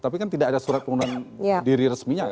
tapi kan tidak ada surat pengunduran diri resminya